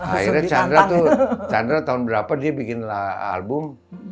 akhirnya chandra tuh chandra tahun berapa dia bikinlah album